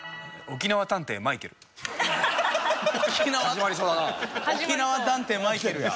『沖縄探偵マイケル』や。